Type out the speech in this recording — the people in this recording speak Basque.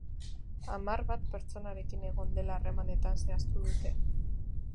Hamar bat pertsonarekin egon dela harremanetan zehaztu dute.